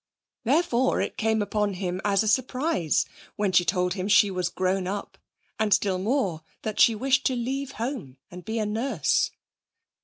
Therefore it came upon him as a surprise when she told him she was grown up, and still more that she wished to leave home and be a nurse.